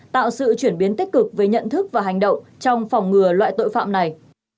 tạo sự chuyển biến tích cực về nhận thức và hành động trong phòng ngừa loại tội phạm này